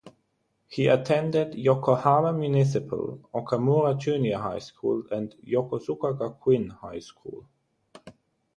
He attended Yokohama Municipal Okamura Junior High School and Yokosuka Gakuin High School.